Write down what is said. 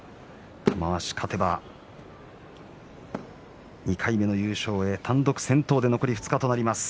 玉鷲勝てば２回目の優勝で単独先頭で残り２日となります。